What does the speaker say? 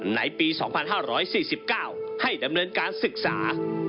ในปี๒๕๔๙ให้ดำเนินการศึกษา